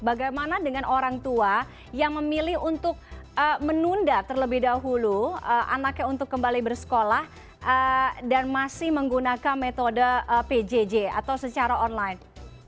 bagaimana dengan orang tua yang memilih untuk menunda terlebih dahulu anaknya untuk kembali bersekolah dan masih menggunakan metode pjj atau secara online